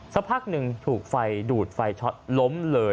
สักพักหนึ่งถูกไฟดูดไฟช็อตล้มเลย